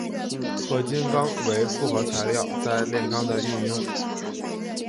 合金钢为复合材料在炼钢的运用。